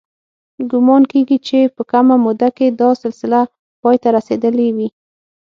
ګومان کېږي چې په کمه موده کې دا سلسله پای ته رسېدلې وي.